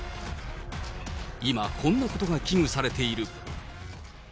今、こんなことが危惧されている。